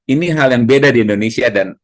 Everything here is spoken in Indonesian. ini hal yang beda di indonesia